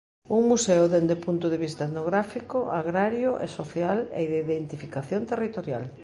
Un museo dende punto de vista etnográfico, agrario e social e de identificación territorial.